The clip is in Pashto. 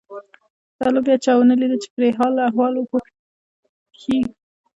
طالب بیا چا ونه لیده چې پرې حال احوال وپوښي.